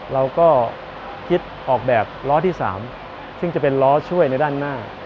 เราก็คิดออกแบบล้อที่๓ซึ่งจะเป็นล้อช่วยในด้านหน้า